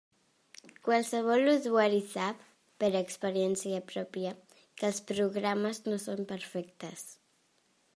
Qualsevol usuari sap, per experiència pròpia, que els programes no són perfectes.